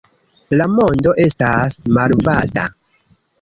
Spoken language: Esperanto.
La mondo estas malvasta.